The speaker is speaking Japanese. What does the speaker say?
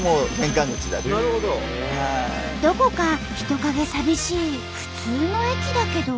どこか人影寂しい普通の駅だけど。